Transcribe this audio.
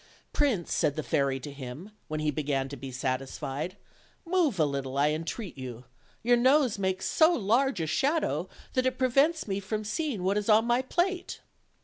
"Prince," said the fairy to him, when he began to be satisfied, "move a little, I entreat you; your nose makes so large a shadow that it prevents me from seeing what is on my plate.